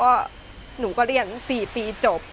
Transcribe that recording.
อายุ๒๔ปีวันนี้บุ๋มนะคะ